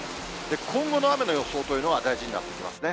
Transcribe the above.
今後の雨の予想というのが大事になってきますね。